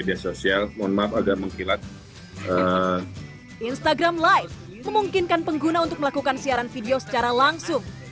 instagram live memungkinkan pengguna untuk melakukan siaran video secara langsung